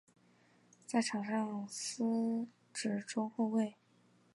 在场上司职中后卫。